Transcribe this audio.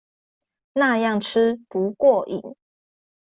那樣吃不過癮